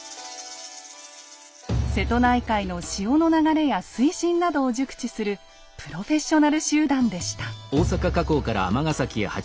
瀬戸内海の潮の流れや水深などを熟知するプロフェッショナル集団でした。